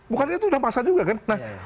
bukannya itu udah masa juga kan